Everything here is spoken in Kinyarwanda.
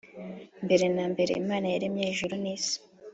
Mbere na mbere Imana yaremye ijuru n isi